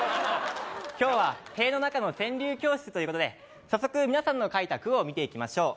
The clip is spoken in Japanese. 今日は塀の中の川柳教室ということで早速皆さんの書いた句を見ていきましょう